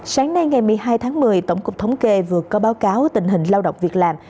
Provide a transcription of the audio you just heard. sáng nay ngày một mươi hai tháng một mươi tổng cục thống kê vừa có báo cáo tình hình lao động việc làm